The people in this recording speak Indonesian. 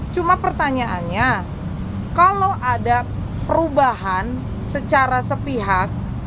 cuma pertanyaannya kalau ada perubahan secara sepihak